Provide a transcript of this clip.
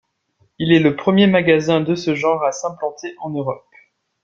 Il est le premier magasin de ce genre à s'implanter en Europe.